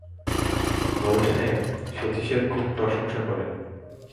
বড়োসাহেব সতীশের খুব প্রসংসা করেন।